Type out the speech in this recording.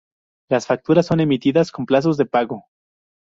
Las facturas son emitidas con plazos de pago.